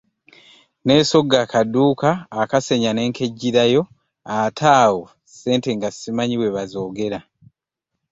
Nneesogga akaduuka akasenya ne nkeggyirayo ate awo ssente nga simanyi bwe bazoogera.